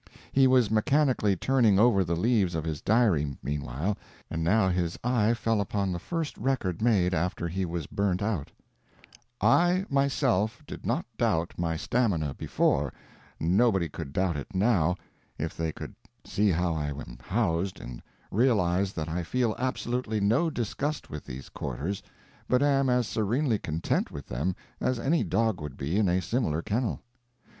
He was mechanically turning over the leaves of his diary, meanwhile, and now his eye fell upon the first record made after he was burnt out: "I myself did not doubt my stamina before, nobody could doubt it now, if they could see how I am housed, and realise that I feel absolutely no disgust with these quarters, but am as serenely content with them as any dog would be in a similar kennel.